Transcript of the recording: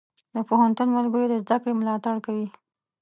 د پوهنتون ملګري د زده کړې ملاتړ کوي.